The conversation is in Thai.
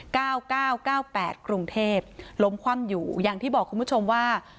เก้าเก้าเก้าแปดกรุงเทพล้มคว่ำอยู่อย่างที่บอกคุณผู้ชมว่า